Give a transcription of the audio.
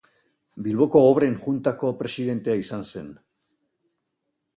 Bilboko Obren Juntako presidentea izan zen.